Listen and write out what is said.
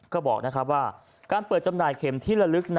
ก็บอกว่าการเปิดจำหน่ายเข็มที่ละลึก